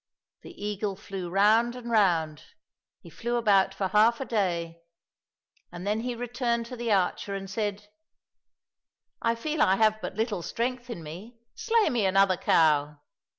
The eagle flew round and round, he flew about for half a day, and then he returned to the archer and said, " I feel I have but little strength in me, slay me another cow